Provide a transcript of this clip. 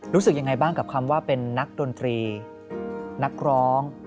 รู้สึกยังไงบ้างกับคำว่าเป็นนักดนตรีนักร้อง